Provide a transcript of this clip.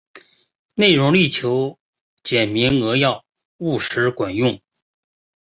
内容力求简明扼要、务实管用